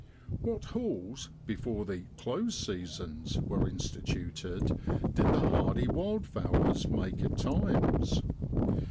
What hauls, before the ' close seasons' were instituted, did the hardy wild fowlers make at times!